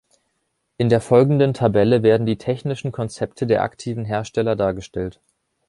In der folgenden Tabelle werden die technischen Konzepte der aktiven Hersteller dargestellt.